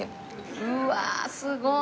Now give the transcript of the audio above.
うわすごい！